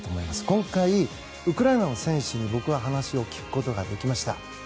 今回、ウクライナの選手に僕は話を聞くことができました。